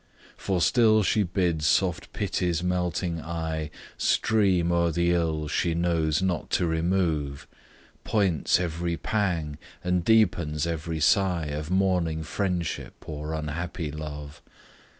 For still she bids soft Pity's melting eye Stream o'er the ills she knows not to remove, Points every pang, and deepens every sigh Of mourning friendship or unhappy love.